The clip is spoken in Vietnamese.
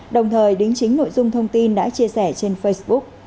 đồng thời đính chính nội dung thông tin đã chia sẻ trên facebook